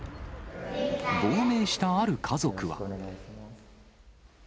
亡命したある家族は。